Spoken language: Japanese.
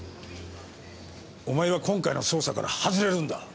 お前は今回の捜査から外れるんだ。